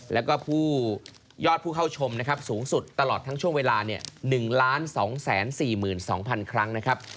แล้วก็ผู้ยอดผู้เข้าชมนะครับสูงสุดตลอดทั้งช่วงเวลา๑๒๔๒๐๐๐ครั้งนะครับ